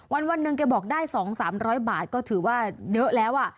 วันหนึ่งแกบอกได้๒๓๐๐บาทก็ถือว่าเยอะแล้ว